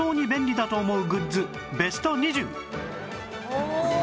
おお！